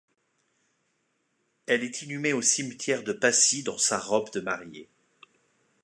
Elle est inhumée au cimetière de Passy dans sa robe de mariée.